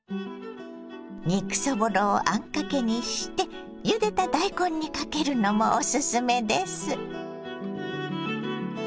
肉そぼろをあんかけにしてゆでた大根にかけるのもおすすめです。